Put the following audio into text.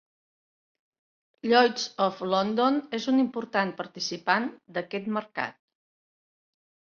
Lloyd's of London és un important participant d'aquest mercat.